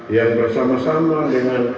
yang bersama sama dengan